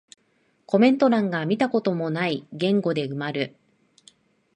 コメント欄が見たことない言語で埋まる